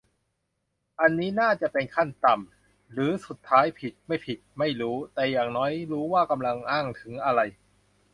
อันนี้น่าจะเป็นขั้นต่ำ คือสุดท้ายผิดไม่ผิดไม่รู้ แต่อย่างน้อยรู้ว่ากำลังอ้างถึงอะไร